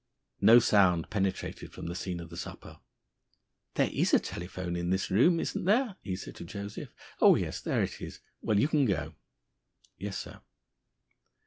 No sound penetrated from the scene of the supper. "There is a telephone in this room, isn't there?" he said to Joseph. "Oh, yes; there it is! Well, you can go." "Yes, sir."